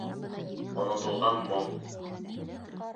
Онотолған моң...